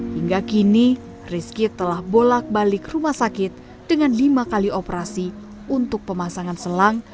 hingga kini rizky telah bolak balik rumah sakit dengan lima kali operasi untuk pemasangan selang